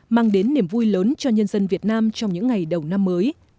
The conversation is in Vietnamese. mang đến niềm vui lớn cho nhân dân việt nam trong những ngày đầu năm mới